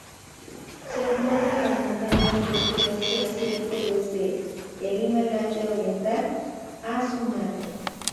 Se encuentra en las montañas del sudeste asiático desde el Himalaya oriental a Sumatra.